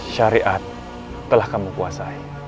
syariat telah kamu puasai